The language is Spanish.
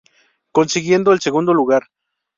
Consiguiendo el segundo lugar.